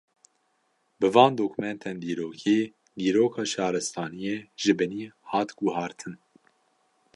Bi van dokumentên dîrokî, dîroka şaristaniyê ji binî hat guhartin